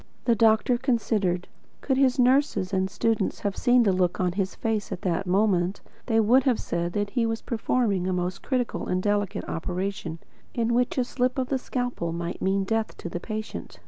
The doctor considered. Could his nurses and students have seen the look on his face at that moment, they would have said that he was performing a most critical and delicate operation, in which a slip of the scalpel might mean death to the patient.